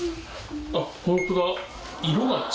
あっホントだ。